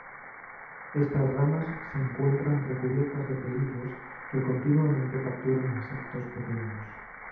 Estas ramas se encuentran recubiertas de pelillos que continuamente capturan insectos pequeños.